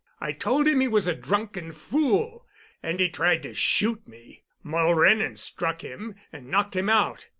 I told him he was a drunken fool, and he tried to shoot me. Mulrennan struck him, and knocked him out.